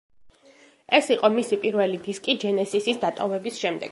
ეს იყო მისი პირველი დისკი ჯენესისის დატოვების შემდეგ.